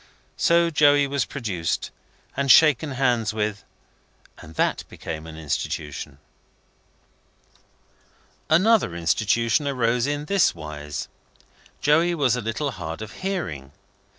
So Joey was produced, and shaken hands with, and that became an Institution. Another Institution arose in this wise. Joey was a little hard of hearing.